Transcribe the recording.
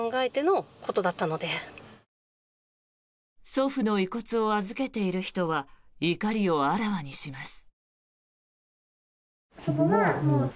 祖父の遺骨を預けている人は怒りをあらわにします。